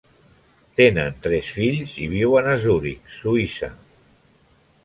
Tenen tres fills i viuen a Zuric, Suïssa.